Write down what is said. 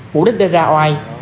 mục đích để ra oai